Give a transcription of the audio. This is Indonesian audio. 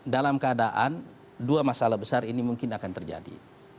dalam keadaan dua masalah besar ini mungkin akan terjadi